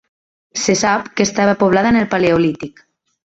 Se sap que estava poblada en el Paleolític.